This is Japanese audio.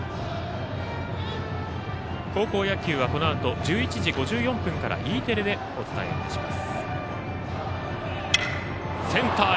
高校野球はこのあと１１時５４分からＥテレでお伝えいたします。